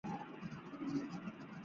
原因刚好是